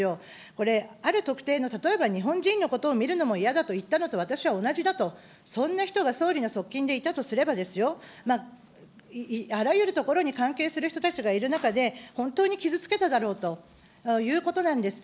これ、ある特定の、例えば日本人のことを見るのも嫌だと言ったのと、私は同じだと、そんな人が総理の側近でいたとすればですよ、あらゆるところに関係する人たちがいる中で、本当に傷つけただろうということなんですよ。